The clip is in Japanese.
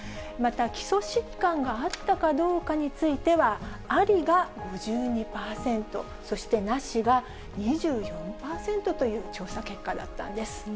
また基礎疾患があったかどうかについてはありが５２％、そしてなしが２４％という調査結果だったんです。